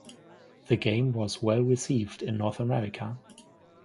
The game was well received in North America.